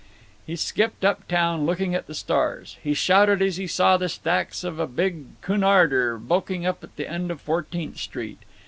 He skipped up town, looking at the stars. He shouted as he saw the stacks of a big Cunarder bulking up at the end of Fourteenth Street.